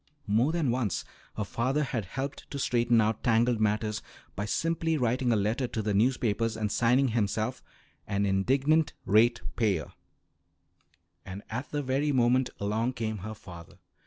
More than once her father had helped to straighten out tangled matters by simply writing a letter to the newspapers, and signing himself "An Indignant Ratepayer." And at the very moment along came her father.